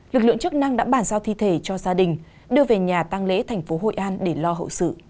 lực lượng chức năng đã bản giao thi thể cho gia đình đưa về nhà tăng lễ thành phố hội an để lo hậu sự